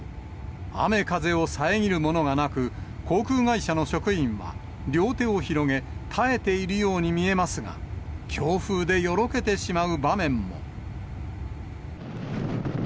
雨風を遮るものがなく、航空会社の職員は両手を広げ、耐えているように見えますが、強風でよろけてしまう場面も。